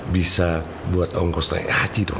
bisa buat ongkos tanya haji dong